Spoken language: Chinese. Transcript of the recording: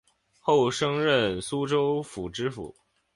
后升任苏州府知府